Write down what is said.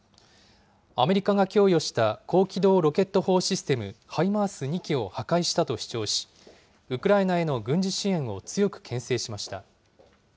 アメリカが供与した高機動ロケット砲システム・ハイマース２基を破壊したと主張し、ウクライナへの軍事支援を強くけん制しました。